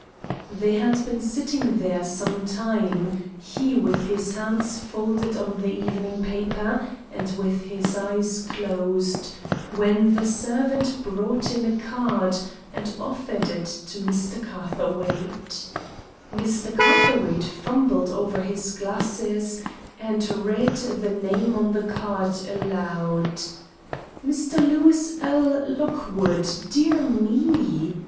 } They had been sitting there some time, he with his hands folded on the evening paper and with his eyes closed, when the servant brought in a card and offered it to Mr. Catherwaight. Mr. Catherwaight fumbled over his glasses, and read the name on the card aloud: "'Mr. Lewis L. Lockwood.' Dear me!"